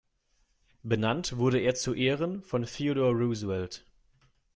Benannt wurde er zu Ehren von Theodore Roosevelt.